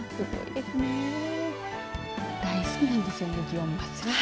大好きなんですよね、祇園祭。